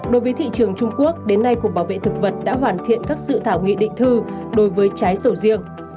đối với thị trường trung quốc đến nay cục bảo vệ thực vật đã hoàn thiện các dự thảo nghị định thư đối với trái sầu riêng